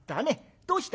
どうした？